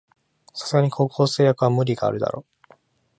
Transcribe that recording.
さすがに高校生役は無理あるだろ